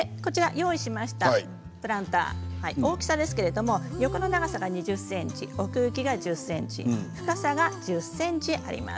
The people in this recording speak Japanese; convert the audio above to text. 用意しましたプランター大きさですけれど横の長さが２０ｃｍ奥行きが１０ｃｍ深さが１０ｃｍあります。